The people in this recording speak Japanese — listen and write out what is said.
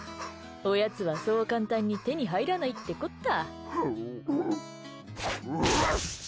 おやつはそう簡単に手に入らないってこった。